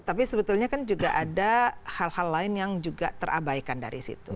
tapi sebetulnya kan juga ada hal hal lain yang juga terabaikan dari situ